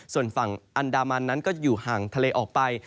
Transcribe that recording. ส่วนฝั่งอันดามันนั้นก็จะอยู่ห่างทะเลออกไป